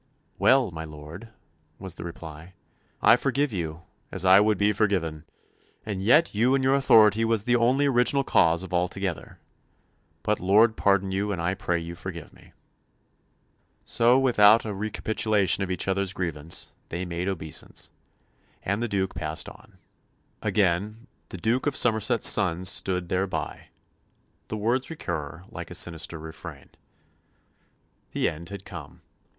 "Well, my Lord," was the reply, "I forgive you, as I would be forgiven. And yet you and your authority was the only original cause of all together. But the Lord pardon you, and I pray you forgive me." So, not without a recapitulation of each one's grievance, they made obeisance, and the Duke passed on. Again, "the Duke of Somerset's sons stood thereby" the words recur like a sinister refrain. The end had come.